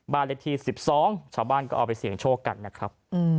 เลขที่๑๒ชาวบ้านก็เอาไปเสี่ยงโชคกันนะครับ